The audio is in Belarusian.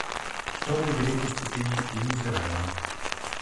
Што мы ў вялікай ступені і назіраем.